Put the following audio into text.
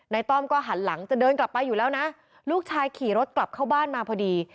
ต้อมก็หันหลังจะเดินกลับไปอยู่แล้วนะลูกชายขี่รถกลับเข้าบ้านมาพอดี